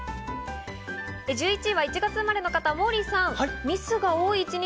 １１位は１月生まれの方、モーリーさん。